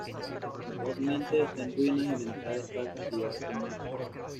Actualmente está en ruinas y la entrada está castigada con multa.